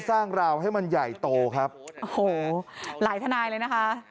ราวให้มันใหญ่โตครับโอ้โหหลายทนายเลยนะคะ